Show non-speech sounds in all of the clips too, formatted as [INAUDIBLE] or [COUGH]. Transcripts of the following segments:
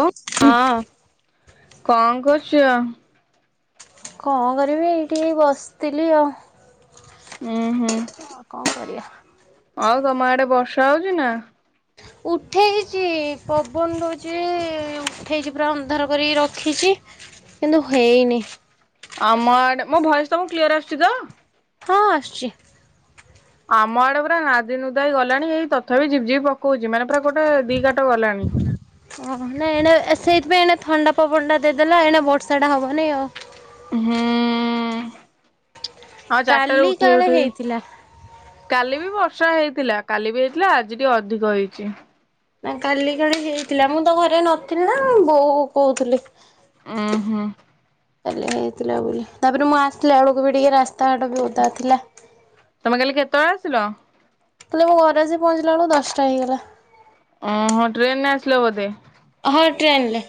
ହ ହଁ। କଣ କରୁଛ? କଣ କରିବି ଏଇଠିକି ବସିଥିଲି ଆଉ। ହୁଁ ହୁଁ। ଆଉ କଣ କରିବା। ଆଉ ତମ ଆଡେ ବର୍ଷା ହଉଚି ନା? ଉଠେଇଚି ପବନ ଦଉଚି ଉଠେଇଚି ପୁରା ଅନ୍ଧାର କରି ରଖିଚି। କିନ୍ତୁ ହେଇନି। ଆମର ମୋ ଭଏସ ତମକୁ କ୍ଲିୟର ଆସିୁଛି ତ? ହଁ ଆସିଚି। ଆମ ଆଡେ ପୁରା ନାଦି ନୁଦାକି ଗଲାଣି ଏଇ ତଥାପି ଝିପ ଝିପି ପକଉଛି ମାନେ ପୁରା ଗୋଟେ ଦି କାଟ ଗଲାଣି। ହୁଁ। ଓହ! ନାଇଁ, ଏଣେ ସେଇଥିପାଇଁ, ଏଣେ ଥଣ୍ଡା ପବନ ଟା ଦେଇଦେଲା। ଏଣେ ବର୍ଷା ଟା ହବନି ଆଉ। ହୁଁ-ଉଁ ଆଉ ଚାରିଟାରେ କାଲି ଉଠେଇ କାଳେ ଉଠେଇ, ହେଇଥିଲା। କାଲି ବି ବର୍ଷ ବର୍ଷା ହେଇଥିଲା। କାଲି ବି ହେଇଥିଲା ଆଜି ଟିକେ ଅଧିକ ହେଇଛି। ନାଁ କାଲି କାଳେ ହେଇଥିଲା। ମୁଁ ତ ଘରେ ନଥିଲି ନା ବୋଉ କହୁଥିଲେ। ଉଁ, ହୁଁ। କାଲି ହେଇଥିଲା ବୋଲି। ତାପରେ ମୁଁ ଆସିଲା ଅଳକୁ ବି ଟିକେ ରାସ୍ତାଘାଟ ବି ଓଦା ଥିଲା। ତମେ କାଲି କେତେଏଳେ ଆସିଲ? ହେଲେ, ମୁଁ ଘରେ ଆଜି ପହଞ୍ଚିଲା, ବେଳକୁ ଦଶଟା ହେଇଗଲା। ଅ ହଁ ଟ୍ରେନ ନେ ଆସିଲ ବଧେ? ହଁ, ଟ୍ରେନ ଲେ।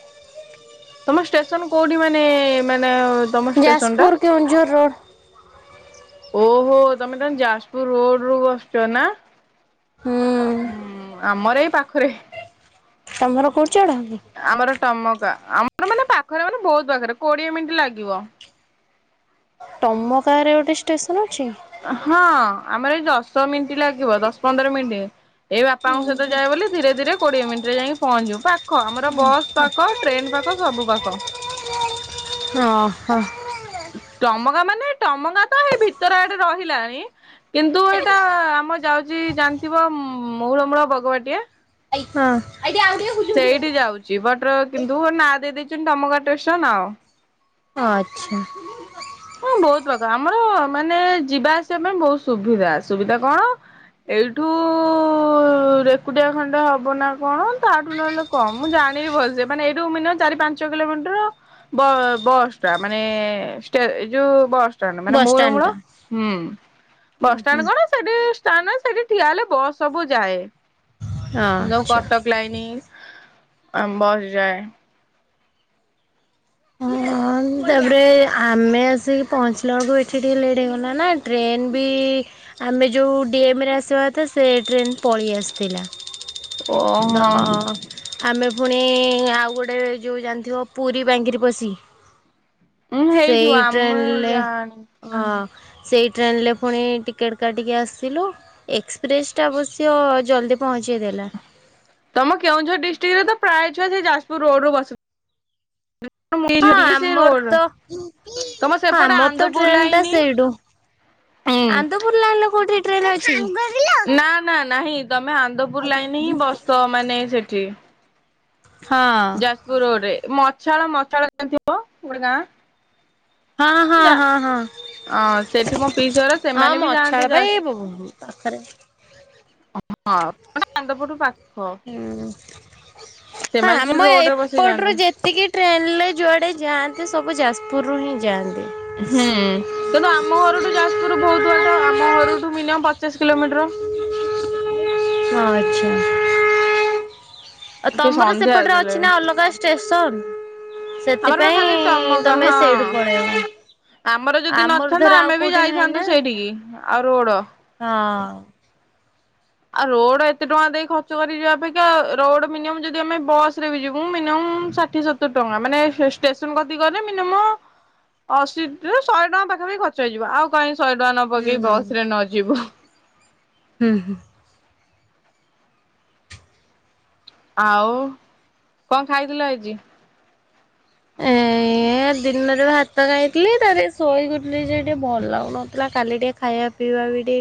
ତମ ଷ୍ଟେସନ କୋଉଠି? ମାନେ! ମାନେ! ତମ ଷ୍ଟେସନ ଟା? ଯାଜପୁର କେଉଁଝର ରୋଡ ଓହୋ! ତମେ ତାନେ ଯାଜପୁର ରୋଡରୁୁ ବସୁଛ ନା? ହୁଁ। ହୁଁ। ଆମର ଏଇ ପାଖରେ। ତମର କଉଟ ଚଢ଼ କି? ଆମର ଟମକା ଆମର ମାନେ ପାଖରେ, ମାନେ ବହୁତ ପାଖରେ। କୋଡିଏ ମିନିଟ୍ ଲାଗିବ। ତମ କା ରେ ଗୋଟେ ଷ୍ଟେସ ହଁ, ଆମର ଏଇ ଦଶ ମିନ୍ଟି ଲାଗିବ। ଦଶ ପନ୍ଦର ମିନ୍ଟି। ଏଇ ବାପାଙ୍କ ସହିତ ଯାଏ ବୋଲି, ଧୀରେ ଧୀରେ କୋଡିଏ ମିନ୍ଟି ରେ ଯାଇଁକି ପହଞ୍ଚିବୁ। ପାକ୍ ଖ ଆମର ବସ୍ ପାଖ, ଟ୍ରେନ ପାଖ, ସବୁ ପାଖ। ହଁ ହ। ନାଇଁ, ଟମଙ୍ଗା ତ ଏଇ ଭିତରେ ଆଡେ ରହିଲାଣି। କିନ୍ତୁ, ଏଇଟା ଆମ ଯାଉଛି ଜାଣିଥିବ ମଉରମୂଳ ବଗବାଟିଆ! ହଁ। ସେଇଠି ଯାଉଛି। ବଟ କିନ୍ତୁ, ନାଁ ଦେଇ ଦେଇଛନ୍ତି ଟମକା ଟେସନ ଆଉ। ଅଚ୍ଛା। ହଁ, ବହୁତ ପ୍ରକା, ଆମର ମାନେ ଯିବା ଆସିବା ପାଇଁ ବହୁତ ସୁବିଧା। ସୁବିଧା କଣ? ଏଇଠୁ-ଉ-ଉ ରେକୁଟିଆ ଖଣ୍ଡେ ହବ ନା କଣ? ତାଠୁ ନହେଲେ କଁ! ମୁଁ, ଜା ଣି ଭଲ୍ ସେ ମାନେ ଏଇଠୁ, ମିନେ ଚାରି ପାଞ୍ଚ କିଲୋମିଟର ବ-ବସ୍ ଟା, ମାନେ ଏ-ଏ-ଏ ଟେ, ଏଇ ଯୋଉ ବସଷ୍ଟାଣ୍ଡ ମାନେ ମଉରମୂଳ ବସଷ୍ଟାଣ୍ଡ ମୂଳ! ହୁଁ ଟା ବସଷ୍ଟାଣ୍ଡ କଣ? ସେଠି-ଇ ତା, ନା ସେଠି ଠିଆ ହେଲେ, ବସ୍ ସବୁ ଯାଏ। ଯୋଉ ଆଚ୍ଛା। କଟକ ଲାଇନି ବସ୍ ଯାଏ। ହ ହଁ, ତାପରେ ଆମେ ଆସିକି ପହଞ୍ଚିଲା ଅଳକୁ ଏଠି ଟିକେ ଲେଟ୍ ହେଇଗଲା ନା, ଟ୍ରେନ ବି ଆମେ ଯଉଁ ଡି ଏମ୍ ରେ ଆସିବା କଥା, ସେ ଟ୍ରେନ୍ ପଳେଇ ଆସିଥିଲା ଓହୋ। ଦଅ-ଅ ଆମେ ପୁ ପୁଣି-ଇ-ଇ ଆଉ ଗୋଟେ ଯଉ ଜାଣିଥିବ, ପୁରୀ ବାଙ୍ଗିରିପୋଷି! ଉଁ ହେଇଥିବ ସେଇ ଆମେ ଟ୍ରେନଲେ, ଜାଣି ହଁ। ସେଇ ଟ୍ରେନଲେ ପୁଣି ଟିକେଟ୍ କାଟିକି ଆସିଲୁ। ଏକ୍ସପ୍ରେସଟା ଅବଶ୍ୟ ଜଲ୍ଦ ପହଞ୍ଚେଇ ଦେଲା। ତମ କେଉଁଝର ଡିଷ୍ଟ୍ରିକ୍ଟରେ ତ ପ୍ରାୟ ଛୁଆ ସେଇ ଯାଜପୁର ରୋଡ୍ ରୁ ବସୁ ହଁ, ଆମର ତ! ହଁ, ତମ ସେପଟେ ଆମର ତ ଆନ୍ଦପୁର ଟ୍ରେନ ଟା ଲାଇନ ସେଇଠୁ। ହୁଁ ଆନ୍ଦପୁର ଲାଇନ୍ ଲେ କୋଉଠି ଟ୍ରେନ ଅଛି। ହଁ ନା, ନା, ନାହିଁ ତମେ ଆନ୍ଦପୁର ଲାଇନ ହିଁ ବସ, ମାନେ ସେଠି। ହଁ ଯାଜପୁର ରୋଡ୍ ରେ। ମଛାଳ ମଛାଳ ଜାଣିଥିବ! ଗୋଟେ ଗାଁ ହଁ ହଁ ହଁ ହଁ। ଅଁ ସେଠି ମୋ ପିଇସି ଅର। ସେମାନେ ବି ଯାଆନ୍ତି, ମଛାଳ ପା ଯାଜ ଏଇ ପାଖରେ। ହଁ ହଁ ହଁ ମାନେ ଆନ୍ଦପୁର ପା ହୁଁ। ହଁ ସେମାନେ ସେଠି ଆମ ରୋଡରେ ବସି ଯାଆନ୍ତି ଏପଟରୁୁ ଯେତିକି ଟ୍ରେନରେ ଯୁଆଡେ ଯାଆନ୍ତି ସବୁ ଯାଜପୁରରୁ ହିଁ ଯାଆନ୍ତି। ହୁଁ କିନ୍ତୁ ଆମ ଘରଠୁ ଯାଜପୁର ବହୁତ ବାଟ ଆମ ଘରଠୁ ମିନିମମ୍ ପଚାଶ କିଲୋମିଟର। [INAUDIBLE] ହଁ ଆଚ୍ଛା। ଆ ଟିକେ ତମର ସନ୍ଧ୍ୟା ସେପଟରେ ଅଛି ଦେଲେଣି ନା ଅଲଗା ଷ୍ଟେସନ? ଆମର ବା ଖାଲି ସେଥିପାଇଁ ଟମକ ତମେ ହଁ ସେଇଠୁ ପଳେଇବ। ଆମର ଯଦି ଆମର ଧର ନଥାନ୍ତା ଆଉ ଆମେ ବି କୋଉଠି ନାହିଁ ନା ଯାଇଥାନ୍ତୁ ସେଇଠିକି ଆଉ ରୋଡ। ହଁ। ଆଉ ରୋଡ ଏତେ ଟଙ୍କା ଦେଇ ଖର୍ଚ୍ଚ କରିଯିବା ଅପେକ୍ଷା ରୋଡ ମିନିମ ଯଦି ଆମେ ବସରେ ବି ଯିବୁ ମିନି ଷାଠି ସତର ଟଙ୍କା ମାନେ ଷ୍ଟେସନ କତି କରେ ମିନିମ ଅଶୀ ଶହେ ଟଙ୍କା ପାଖାପାଖି ଖର୍ଚ୍ଚ ହେଇଯିବ, ଆଉ କାହିଁକି ଶହେ ଟଙ୍କା ନ ହୁଁ। ପକେଇ ବସ ରେ ନଯିବୁ। ହୁଁ ହୁଁ। ଆଉ କଣ ଖାଇଥିଲ ଆଜି? ଏ ଦିନରେ ଭାତ ଖାଇଥିଲି, ତାରେ ଶୋଇକିଉଠିଲି ଯେ ଟିକେ ଭଲ ଲାଗଉନଥିଲା କାଲି ଟିକେ ଖାଇବା ପିବାଟା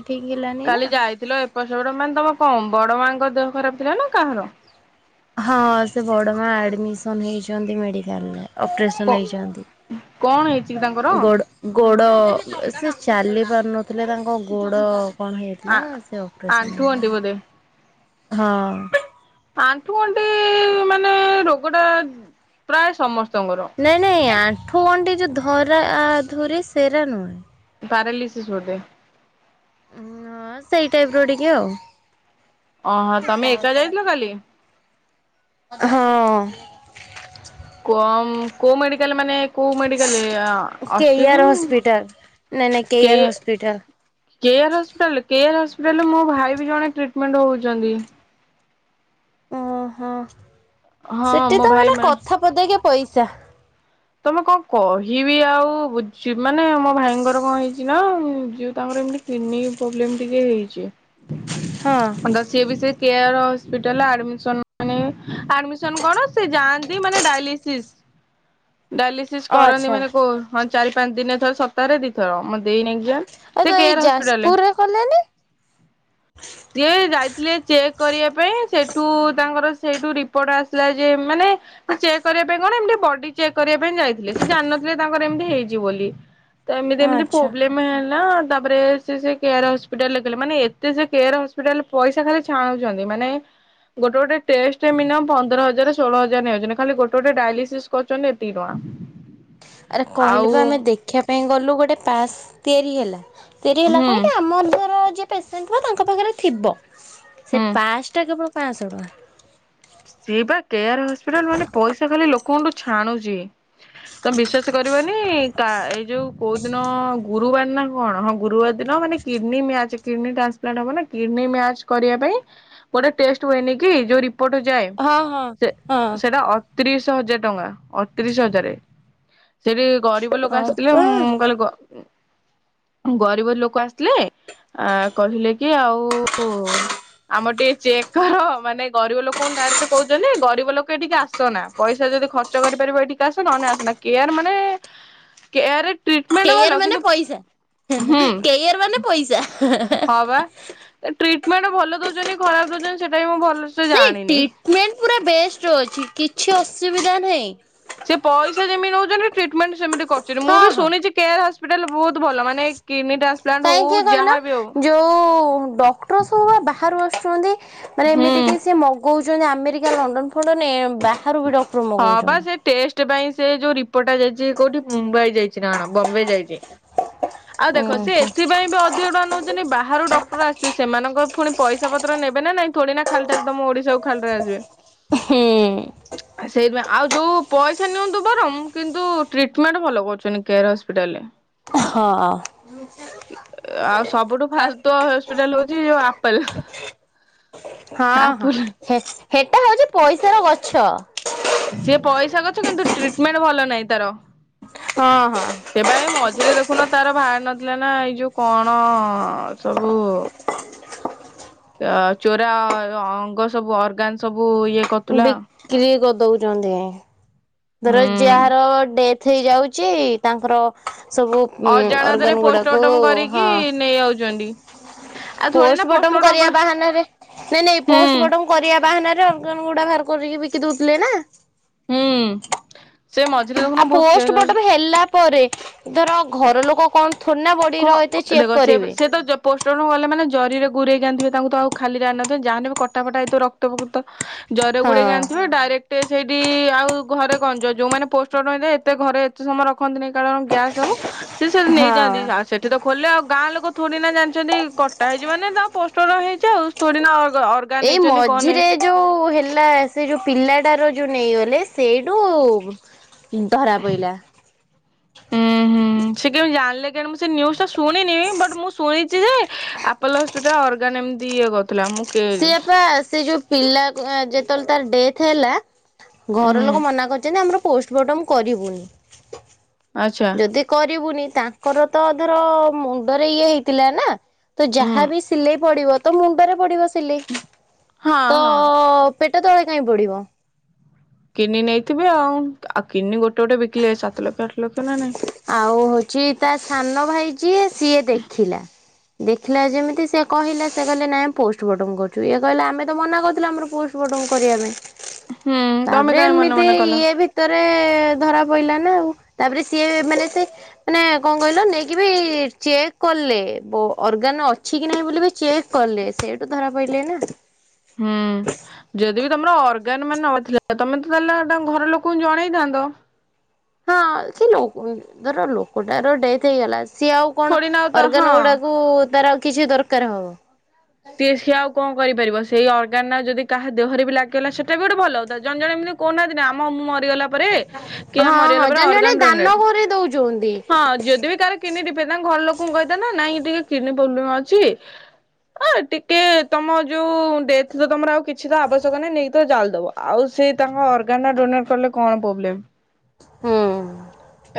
କାଲି ଯାଇଥିଲ ଏପ ସେପଟ ମାନେ ତମ କ ବଡ ମାଆଙ୍କ ଦେହ ଖରାପ ଥିଲା ନା କାହାର? ହଁ ସେ ବଡ ମା ଆଡମିସନ ହେଇଛନ୍ତି ମେଡିକାଲରେ ଅପରେସନ କଣ ହେଇଛି କି ହେଇଛନ୍ତି ତାଙ୍କର? ଗୋଡ଼ ସେ ଚାଲି ପାରୁନଥିଲେ ତାଙ୍କ ଗୋଡ଼ କଣ ଆ ହେଇଥିଲା ସେ ଆଣ୍ଠୁ ଅପରେସନ ଗଣ୍ଠି ହେଇ ବୋଧେ ହଁ। ଆଣ୍ଠୁ ଗଣ୍ଠି ମାନେ ରୋଗ ଟା ପ୍ରାୟ ସମସ୍ତ ନାଇଁ ନାଇଁ ଆଣ୍ଠୁ ଗଣ୍ଡି ଯଉ ଧରା ଧୁରି ସେରା ନୁହ ପ୍ୟାରଲିିସିସ୍ ବଧେ? ହଁ ସେଇ ଟାଇପ ର ଟିକେ ଆଉ। ଓହୋ ତମେ ଏକା ଯାଇଥିଲ କାଲି? [INAUDIBLE] ହଁ। କ କୋଉ ମେଡିକାଲ ମାନେ କୋଉ ମେଡିକାଲରେ ଆ କେୟାର ଅସ୍ୱେନୀ? ହସ୍ପିଟାଲ ନାଇଁ ନାଇଁ କେ କେୟାର ହସ୍ପିଟାଲ। କେୟ ହସ୍ପିଟଲ କେୟ ହ ହିଟାଲ ମୋ ଭାଇ ବି ଜଣେ ଟ୍ରିଟମେଣ୍ଟ ହଉଛନ୍ତି। ଓହୋ ହଁ ସେଠି ମୋ ତ ଭାଇ ମାନେ ମା କଥା ପଦେଇକ ପଇସା। କଣ ତମେ କହିବି ଆଉ ମାନେ ମୋ ଭାଇଙ୍କର କଣ ହେଇଛି ନା ଯିଉ ତାଙ୍କର ଏମିତି କିଡନୀ ପ୍ରୋବେଲମ ଟିକେ ହଁ ହେଇଚି ସେବିସେ କେଆର ହସ୍ପିଟାଲ ଆଡମିସନ, ମାନେ ଆଡ଼ମିଶନ କଣ ସେ ଯାଆନ୍ତି ମାନେ ଡ଼ାଇଲିସିସ୍ ଡାଲିସିସ୍ କରନ୍ତି, ଆଚ୍ଛା। ମାନେ କ ହଁ ଚାରି ପାଞ୍ଚ ଦିନ ଥର ସପତାହରେ ଦିଇଥର ମ ଦେଇନିଆଜ୍ଞା ଆଉ ତ ସେ ଏଇ କେଆର ହସ୍ପିଟାଲରେ ଯାଜପୁରରେ କଲେନି ସିଏ ଯାଇଥିଲେ ଚେକ୍ କରିବା ପାଇଁ ସେଠୁ ତାଙ୍କର ସେଇଠୁ ରିପୋର୍ଟ ଆସିଲା, ଯେ ମାନେ ଚେକ୍ କରିବା ପାଇଁ କଣ ଏମତି ବ କରିବା ପାଇଁ ଯାଇଥିଲେ, ସେ ଜାଣିନଥିଲେ ତାଙ୍କର ଏମିତି ହେଇଛି ବୋଲି ତ ମେ ଆଚ୍ଛା। ପ୍ରୋବ୍ଲେମ ହେଲା ତାରେ ସେ କେୟାର ହସ୍ପିଟାଲ ଥିଲେ, ମାନେ ଏତେ ସେ କୋୟାର ହସ୍ପିଟାଲ ପଇସା ଖାଲି ଛାଣୁଛନ୍ତି। ମାନେ ଗୋଟେ ଗୋଟେ ଟେଷ୍ଟ ମିନି ପନ୍ଦର ହଜାର ଷୋହଳ ହଜାର ନେଇଯାଉଛନ୍ତି, ଖାଲି ଗୋଟେ ଗଟେ ଡାଲିସିସ୍ କରିଛି ନେ ଏତିକି ଟଙ୍କା। ଆରେ କହିଲି ଆଉ ବା ଆମେ ଦେଖିବା ପାଇଁ ଗଲୁ ଗୋଟେ ପାସ୍ ତିଆରି ହେଲା ଡେରି ହେଲା ହୁଁ କହିକି ଆମ ଘର ଯିଏ ପେସେଣ୍ଟ୍ ହୁ ତାଙ୍କ ପାଖରେ ଥିବ ସେ ହୁଁ। ପାସଟା କେବଳ ପାଞ୍ଚଶହ ଟଙ୍କା। ସିଏ କୁଠୁ ଛାଣୁଛି ତ ବିଶେଷ କରିବନି ମାନ ଏଇ ଯୋଉ କୋଉ ଦିନ ଗୁରୁବାର ନା କଣ ହଁ ଗୁରୁବାର ଦିନ ମାନେ କିଡନୀ ମ୍ୟାଚ କିଡନୀ ଟ୍ରାନ୍ସପ୍ଲାନ୍ଟ ହେବନା କିଡନୀ ମ୍ୟାଚ କରିବାପାଇଁ ଗୋଟେ ଟେଷ୍ଟ ହୁଏନିକି? ଜଉ ରିପୋର୍ଟ ଯାଏ ହଁ ହଁ ସେ ହଁ। ସେଟା ଅଠତିରିଶ ହଜାର ଟଙ୍କା ଅଠତିରିଶ ହଜାର ସେଠି ଗରିବ ଲୋକ ହଁ ଆସିଥିଲେ ପା ମୁଁ କହିଲେ ଗରିବ ଲୋକ ଆସିଲେ ଆ କହିଲେ କି ଆଉ ଆମର ଟିକେ ଚେକ କର ମାନେ ଗରିବ ଲୋକ କଣ ଡାଇ କହୁଛନ୍ତି, ଗରିବ ଲୋକେଠିକି ଆସନା ପଇସା ଯଦି ଖର୍ଚ୍ଚ କରିପାରିବ ଏଠି ଆସ ନହେଲେ ଆସନା କେଆର ମାନେ କେୟାର କେଆର ମାନେ ପଇସା କେଆର ମାନେ ପଇସା। ହଁବା ଟ୍ରିଟମେଣ୍ଟ ଭଲ ଦଉଛନ୍ତି, ଖରାପ ଦଉଛନ୍ତି ସେଟା ବି ଭଲ। ନାଇ ଟ୍ରିଟମେଣ୍ଟ ପୁରା ବେଷ୍ଟ ଅଛି କିଛି ଅସୁବିଧା ନାହିଁ। ସେ ପଇସା ଯେମିତି ନଉଛନ୍ତି, ଟ୍ରିଟମେଣ୍ଟ ସେମିତି କରୁଛନ୍ତି ମୁଁ ହଁ ବି ହଁ। ଶୁଣିଛି କେ ହସ୍ପିଟାଲ ବହୁତ ଭଲ ମାନେ ଟ୍ରାନ୍ସପ୍ଲାଣ୍ଟ କାଇହିଁ ହଉ କିଏ କହିଲ ଯାହାବି ହଉ ଯୋଉ ଡକ୍ଟର ସବୁ ବା ବାହାରୁ ଆସୁଛନ୍ତି, ମାନେ ଏମିତି ହୁଁ। ସେକ ସେ ମଗଉଛନ୍ତି, ଆମେରିକା ଲଣ୍ଡନ ଫଣ୍ଡନ ବାହାରୁ ବି ଡକ୍ଟର ହଁ ବା ମଗଉଛନ୍ତି ଟେଷ୍ଟ ସେ ପାଇଁ ସେ ଯୋଉ ରିପୋର୍ଟା ଯାଇଛି, କୋଉଠି ମୁମ୍ବାଇ ଯାଇଛି ନା ବମ୍ବେ ଯାଇଛି ଆଉ ହୁଁ ଦେଖ ସେ ଏଥିପାଇଁ ବି ଅଧିକ ଟଙ୍କା ନଉଛନ୍ତି, ବାହାରୁ ଡକ୍ଟର ଆସଛି ସେମାନଙ୍କ ପୁଣି ପଇସା ପତ୍ର ନେବେ ନା ନାଇଁ ଥୋଡି ନା ଖାଲଟାରେ ତମ ଓଡ଼ିଶା କୁ ଖାଲିରେ ଆସିବେ। ହୁଁ। ସେଇଥିପାଇଁ ଆଉ ଯୋଉ ପଇସା ନିଅନ୍ତୁ, ବରଂ କିନ୍ତୁ ଟ୍ରିଟମେଣ୍ଟ ଭଲ କରୁଛନ୍ତି କେଆର୍ ହସ୍ପିଟାଲରେ। ହଁ। ଆଉ ସବୁଠୁ ଫାଲତୁ ହସ୍ପିଟାଲ ହଉଛି ଯୋଉ ଆପୋଲ। ହଁ ହଁ ହେଟା ହଉଛି ପଇସାର ଗଛ। ସିଏ ପଇସା ଗଛ କିନ୍ତୁ ଟ୍ରିଟମେଣ୍ଟ ଭଲ ନାହିଁ ତାର। ହଁ ହଁ। ସେବା ମଝିରେ ଦେଖୁନ ତାର ଭାରି ନଥିଲା ନା ଏଇ ଯୋଉ କଣ ସବୁ ଚୋରା ଅଙ୍ଗ ସବୁ ଅର୍ଗାନ ସବୁ ଇଏ କରୁଥିଲା ବିକ୍ରି କରି ଦଉଛନ୍ତି, ଧର ହୁଁ ଯାହାର ଡେଥ ହେଇଯାଉଛି ଯେ ତାଙ୍କର ସବୁ ଉ ଅଜାଣତରେ ଅର୍ଗାନ ଗୁଡାକୁ ପୋଷ୍ଟମର୍ଟମ କରିକି ହଁ ନେଇ ଆଉଛନ୍ତି ଆଉ ଥୋଡି ନା ପୋଷ୍ଟମର୍ଟମ କରିବା ହୁଁ ବାହାନାରେ ନାଇଁ ନାଇଁ ପୋଷ୍ଟମର୍ଟମ କରିବା ବାହାନାରେ ଅର୍ଗାନ ଗୁଡା ବାହାର କରିକି ବିକି ଦଉଥିଲେ ନା। ହୁଁ। ସେ ମଝିରେ ଆ ଦେଖୁନ ବହୁତ କେସ୍ ପୋଷ୍ଟମର୍ଟମ ହେଲା ପରେ ଧର ଘର ଲୋକ କଣ ଥଣ୍ଡା ବଡ଼ିର ଏତେ ଚେକ୍ କରିବେ କଣ ଗଲେମାନେ ଜରିରେ ଗୋଡେଇକି ଆଣିଥିବ, ତାଙ୍କୁ ତ ଆଉ ଖାଲିରେ ଆଣିିନଥିବେ ତାହାହେଲେ କଟାଫଟା ଏଇତ ରକ୍ତ ଫକ୍ତ ଜରିରେ ହଁ ଗୁଡ଼େଇକି ଆଣିଥିବେ ଡାଇରେକ୍ଟ ସେଇଠି ଆଉ ଘରେ ଗଞ୍ଜ ଯୋଉ ମାନେ ପୋଷ୍ଟମର୍ଟମ ହେଇଥିବ, ଏତେ ଘରେ ଏତେ ସମୟ ରଖନ୍ତିନି କାରଣ ଗ୍ୟାସ୍ ହବ ସି ନେଇ ହଁ। ଆଉ ସେଠି ତ ଖୋଲେ ଆଉ ଗାଁ ଲୋକ ଥୋଡିନା ଜାଣିଛନ୍ତି। କଟା ହେଇଛି ମାନେ ତା ପୋଷ୍ଟମର୍ଟମ ହେଇଛି, ଆଉ ଥୋଡିନା ଅର୍ଗାନ୍ ଏଇ ନେଇଛନ୍ତି କଣ ମଝିରେ ନେଇଛନ୍ତି ଯୋଉ ହେଲା ସେ ଯୋଉ ପିଲାଟାର ଯୋଉ ନେଇଗଲେ ସେଇଠୁ ଧରା ପଡ଼ଲା। ସେ କେମିତି ଜାଣିଲେ କେମିତି ମୁଁ ସେ ନ୍ୟୁଜ୍ ଟା ଶୁଣିନି ବଟ୍ ମୁଁ ଶୁଣି ଆପୋଲୋ ହପିଟାଲ ଅର୍ଗାନ ଏମିତି ଇଏ କରୁଥିଲା। କେ ସିଏପା ସେ ଯୋଉ ପିଲା ଯେତେବେଳେ ତାର ଡେଥ ହେଲା ଘର ହୁଁ ଲୋକ ମନା କରିୁଛନ୍ତି, ଆମର ପୋଷ୍ଟମର୍ଟମ କରିବୁନି ଆଚ୍ଛା ଯଦି କରିବୁନି ତାଙ୍କର ତ ଧର ମୁଣ୍ଡରେ ଇଏ ହେଇଥିଲା ନା ତ ହୁଁ ଯାହା ବି ସିଲେଇ ପଡିବ ତ ମୁଣ୍ଡରେ ପଡିବ ସିଲେଇ ହଁ ତ ହଁ। ପେଟ ତଳେ କାଇହିଁ ପଡିବ? କିଡନି ନେଇଥିବେ, ଆଉ ଆଉ କିଡନି ଗୋଟେ ଗୋଟେ ବିକିଲେ ସାତ ଲକ୍ଷ ଆଠ ଲକ୍ଷ ନା ନାଇଁ? ହଉ ହଉଛି ତା ସାନ ଭାଇ ଯିଏ ସିଏ ଦେଖିଲା ଦେଖିଲା ଯେମିତି ସେ କହିଲା ସେ କହିଲେ ନାଇଁ ପୋଷ୍ଟମର୍ଟମ କରୁଛୁ ଇଏ କହିଲା ଆମେ ତ ମନା କରିଥିଲୁ ଆମର ପୋଷ୍ଟମର୍ଟମ କଣ କରିବା ପାଇଁ ହୁଁ ତମେ ତାପରେ କାହିଁ ମନେ ଏମିତି ମନେ କଲ। ଇଏ ଭିତରେ ଏ ଧରା ପଇଲ ନା ଆଉ। ତାପରେ ସିଏ ମାନେ ସେ ମାନେ କଣ କହିଲ ନେଇକି ବି ଚେକ୍ କଲେ ବ ଅର୍ଗାନ୍ ଅଛି କି ନାହିଁ ବୋଲି ବି ଚେକ୍ କଲେ ସେଇଠୁ ଧରା ପଡ଼ିଲେ ନା। ହୁଁ ଯଦି ତମର ଅର୍ଗାନ ମାନ ନଥିଲା ତମେ ତ ତାହେଲେ ତା ଘର ଲୋକଙ୍କୁ ଜଣେଇଥାନ୍ତ। ହଁ ସେ ଲୋକ ଧର ଲୋକଟାର ଡେଥ ହେଇଗଲା। ସିଏ ଆଉ କଣ ଥୋଡି ନା ଆଉ ତ ହଁ। ଅର୍ଗାନ ଗୁଡାକୁ ତାର କିଛି ଦରକାର ହବ। ସିଏ ସିଏ ଆଉ କଣ? କରିପାରିବ ସେଇ ଅର୍ଗାନା ଯଦି କାହା ଦେହରେ ବି ଲାଗିଗଲା ସେଟା ବି ଗୋଟେ ଭଲ କଥା ଜଣେ ଜଣେ ଏମିତି କହୁହାନ୍ତି ନା ଆମ ମରିଗଲାପରେ କିଏ ହଁ ହଁ ମରିଗଲା ପରେ ଜଣେ ଜଣେ ଅରଗାନ ଦାନ ଡୋନେଟେ କରି ଦଉଛନ୍ତି। ହଁ ଯଦି ବିି କାହାର କିଡ଼ନୀ ଡ଼ିଫେକ୍ଟ ତାଙ୍କ ଘର ଲୋକଙ୍କୁ କହିଥାନ୍ତ ନାଇଁ ଟିକେ କିଡ଼ନୀ ପ୍ରୋବ୍ଲେମ ଅଛି। ହ ଟିକେ ତମ ଯୋଉ ଡେଥ ତ ତମର ଆଉ କିଛି ତ ଆବଶ୍ୟକ ନାହିଁ ନେଇକି ତ ଜାଲିଦବ ଆଉ ସେ ତାଙ୍କ ଅର୍ଗାନା ଡୋନେଟ କଲେ କଣ ପ୍ରୋବ୍ଲେମ। ହୁଁ।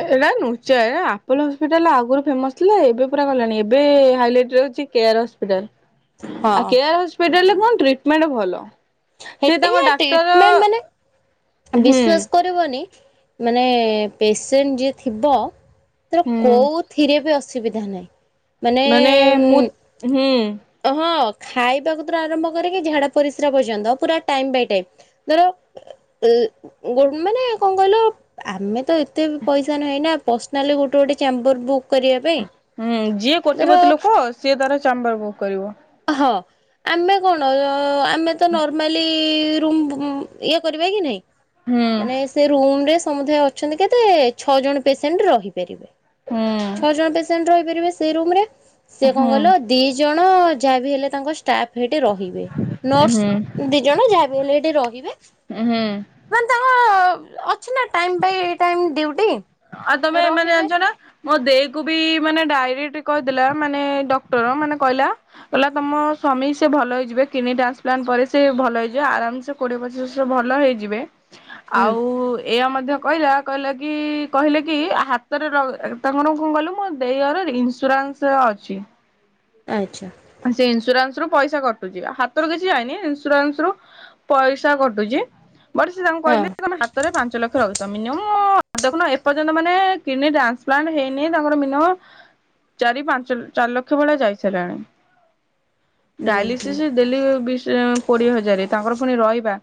ଏଇଟା ନୁଚାଏ ଆପୋଲୋ ହସ୍ପିଟାଲ ଆଗରୁ ଫେମସ ଥିଲା ଏବେ ପୁରା ଗଲାଣି ଏବେ ହାଇଲାଇଟିରେ ଉଛି କେୟାର ହସ୍ପିଟାଲ ଆ ହଁ କେୟାର ହସ୍ପିଟାଲ ରେ କଣ ଟ୍ରିଟମେଣ୍ଟ ଭଲ। ସେ ହେଠି ତାଙ୍କ କା ଡାକ୍ତର ଟ୍ରିଟମେଣ୍ଟ ମାନେ ହୁଁ ବିଶ୍ଵାସ କରିବନି ମାନେ ପେସେଣ୍ଟ ଯିଏ ଥିବ ତ ହୁଁ କୋଉଥିରେ ବି ଅସୁବିଧା ନାହିଁ। ମାନେ ହୁଁ ଅହ ଖାଇବାକୁ ଥିରୁ ଆରମ୍ଭ କରିକି ଝାଡା ପରିସ୍ରା ପର୍ଯ୍ୟନ୍ତ ପୁରା ଟାଇମ ବାଇ ଟାଇମ ଧର ଉ ଉ ଗୋ ମାନେ କଣ କହିଲ ଆମେ ତ ଏତେ ପଇସା ନାହିଁ ନା ପର୍ସନାଲି ଗୋଟେ ଗୋଟେ ଚାମ୍ବର ବୁକ୍ କରିବା ପାଇଁ। ଧର କୋଟିପତିୀ ଲୋକ ସିଏ ତାର ଚାମ୍ବର ବୁକ୍ କରିବ। ହ ଆମେ କଣ ଆମେ ତ ନର୍ମାଲି ରୁମ୍ ବୁମ୍ ଇଏ କରିବା କି ନାଇଁ ହୁଁ ମାନେ ସେ ରୁମ ରେ ସମୁଦାୟ ଅଛନ୍ତି କେତେ ଛଅ ଜଣ ପେସେଣ୍ଟ ରହିପାରିବେ ଛଅ ହୁଁ ଜଣ ପେସେଣ୍ଟ ରହିପାରିବେ। ସେ ରୁମରେ ସେ କଣ ହୁଁ କହିଲ ଦି ଜଣ ଯାହାବି ହେଲେ ତାଙ୍କ ଷ୍ଟାଫ ହେଠି ରହିବେ ହୁଁ ନର୍ସ ଦି ଜଣ ଯାହାବି ହେଲେ ହେଠି ରହିବେ। ହଁ। ମାନେ ତାଙ୍କ ଅଛି ନା ଟାଇମ ବାଇ ଟାଇମ ଡିୟୁଟି। ଆଉ ତମେ ଏମାନେ ଜଣିଛ ନା? ମୋ ଦେଇ କୁ ବି ମାନେ ଡାଇରେକ୍ଟ କହିଦେଲା ମାନେ ଡକ୍ଟର ମାନେ କହିଲ କହିଲା ତମ ସ୍ୱାମୀ ସେ ଭଲ ହେଇଯିବେ କିଡିନି ଟ୍ରାନ୍ସ ପ୍ଲାନ୍ ପରେ ସେ ଭଲ ହେଇଯିବେ ଆରାମସ କୋଡ଼ିଏ ପଚିଶ ବର୍ଷ ଭଲ ହେଇଯିବେ। ହୁଁ ଆଉ ଏଇୟା ମଧ୍ୟ କହିଲା କହିଲା କି କହିଲେ କି ହାତରେ ର ତାଙ୍କର କଣ କହିଲୁ ମୋ ଦେଇ ହର ଇନ୍ସୁରାନ୍ସ ଅଛି। ଆଚ୍ଛା। ସେ ଇନ୍ସୁରାନ୍ସ ରୁ ପଇସା କଟୁଛି ହାତରୁ କିଛି ଯାଇନି ଇନ୍ସୁରାନ୍ସ ରୁ ପଇସା କଟୁଛି। ବଟ ସେ ତାଙ୍କୁ ହଁ କହିଲେ ତମେ ହାତରେ ପାଞ୍ଚ ଲକ୍ଷ ରଖିଥ ମିନିମମ ଦେଖୁନ ଏପର୍ଯ୍ୟନ୍ତ ମାନେ କିଡନୀ ଟ୍ରାନ୍ସପ୍ଲାଣ୍ଟ ହେଇନି ତାଙ୍କର ମିନିମମ ଚାରି ପାଞ୍ଚ ଚାରି ଲକ୍ଷ ଭଳିଆ ଯାଇସାରିଲାଣି। ହୁଁ ହୁଁ ଡ଼ାଇଲିସିସ୍ ଡେଲି କୋଡିଏ ହଜାର ତାଙ୍କର ପୁଣି ରହିବା।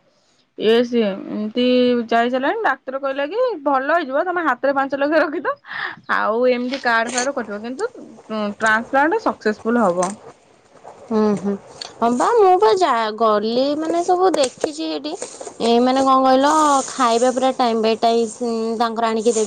ଏ ସିଏ ଏମିତି ଯାଇ ସାରିଲାଣି ଡାକ୍ତର କହିଲା କି ଭଲ ହେଇଯିବ ତମେ ହାତରେ ପାଞ୍ଚ ଲକ୍ଷ ରଖିଥ ଆଉ ହଉ ଏମିତି କାର୍ଡ ଫାର୍ଡ କଟିବ କିନ୍ତୁ ଟ୍ରାନ୍ସପ୍ଲାଣ୍ଟ ସକ୍ସେସଫୁଲ ହବ। ହୁଁ ହୁଁ ହଁ ବା ମୁଁ ପା ଯା ଗଲି ମାନେ ସବୁ ଦେଖିଛି ହେଇଠି ଏ ମାନେ କଣ କହିଲ ଖାଇବା ପୁରା ଟାଇମ୍ ବାଇ ଟାଇମ୍ ତାଙ୍କର ଆଣିକି ଦେ